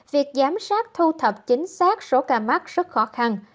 việc giám sát thu thập chính xác số ca mắc rất khó khăn